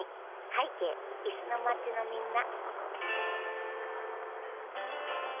「はいけいいすのまちのみんな」